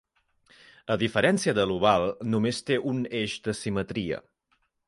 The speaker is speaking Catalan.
A diferència de l'oval, només té un eix de simetria.